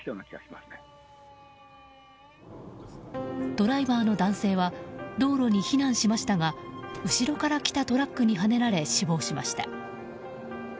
ドライバーの男性は道路に避難しましたが後ろから来たトラックにはねられ死亡しました。